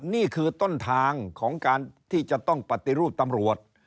นี่คือต้นทางของการที่จะต้องปฏิรูปตำรวจ